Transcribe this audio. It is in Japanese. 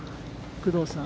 工藤さん。